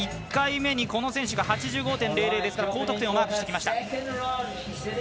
１回目にこの選手が８５．００ですから高得点をマークしました。